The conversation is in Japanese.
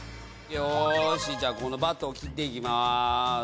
よしじゃあこのバットを切っていきます。